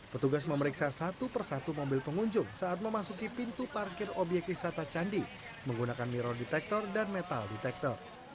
petugas memeriksa satu persatu mobil pengunjung saat memasuki pintu parkir obyek wisata candi menggunakan mirror detektor dan metal detektor